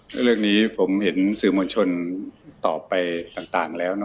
และเรื่องนี้ผมเห็นสื่อมวลชนตอบไปต่างแล้ว